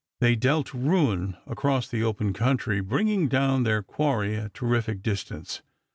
They dealt ruin across the open country, bringing down their quarry at terrific distance.